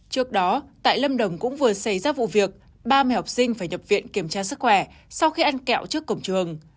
trước đó tại lâm đồng cũng vừa xảy ra vụ việc ba mẹ học sinh phải nhập viện kiểm tra sức khỏe sau khi ăn kẹo trước cổng trường